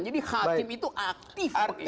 jadi hakim itu aktif mengingatkan